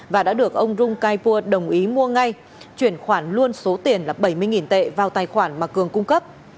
và đã được ông rung kai pua đồng ý mua ngay chuyển khoản luôn số tiền là bảy mươi tệ vào tài khoản mà cường cung cấp